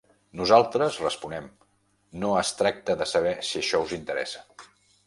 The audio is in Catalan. Nosaltres responem: no es tracta de saber si això us interessa.